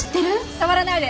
触らないで！